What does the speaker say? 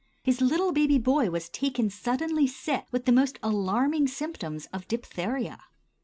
His little baby boy was taken suddenly sick with most alarming symptoms of diphtheria.